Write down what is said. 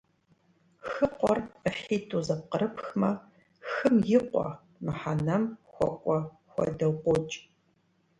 «Хыкъуэр» IыхьитIу зэпкърыпхмэ - «хым и къуэ» мыхьэнэм хуэкIуэ хуэдэу къокI.